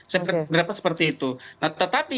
saya mendapatkan seperti itu nah tetapi